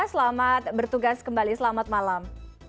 selamat bertugas kembali selamat malam